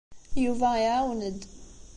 Yuba iɛawen-d.